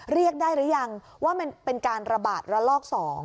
เรียกได้หรือยังว่ามันเป็นการระบาดระลอก๒